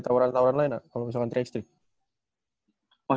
tapi sampai sekarang masih ada tawaran tawaran lain lah kalo misalkan tiga ax tiga